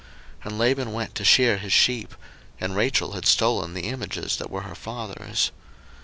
01:031:019 And Laban went to shear his sheep: and Rachel had stolen the images that were her father's.